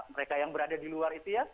mereka yang berada di luar itu ya